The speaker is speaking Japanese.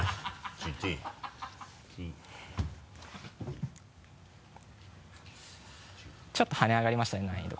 「ＧＴ」ちょっと跳ね上がりましたね難易度